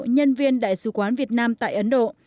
nhân viên đại sứ quán việt nam tại ấn độ